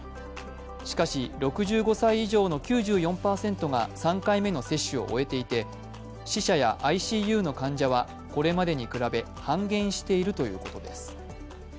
しかし６５歳以上の９４％が３回目の接種を終えていて死者やＩＣＵの患者はこれまでに比べ半減しているということです。